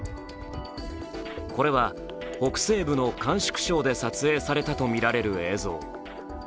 これは北西部の甘粛省で撮影されたとみられる映像。